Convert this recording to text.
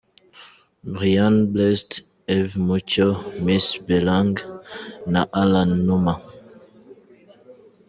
Briana Blessed, Ev Mucyo, Miss Bellange na Alain Numa.